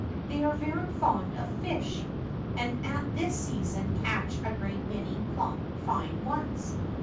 They are very fond of fish, and at this season catch a great many plump, fine ones.